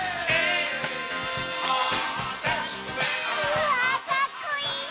うわかっこいい！